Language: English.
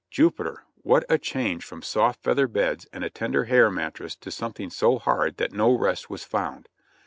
Jupiter ! what a change from soft feather beds or a tender hair mattress to something so hard that no rest was found.